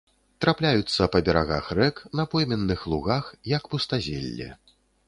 Трапляюцца па берагах рэк, на пойменных лугах, як пустазелле.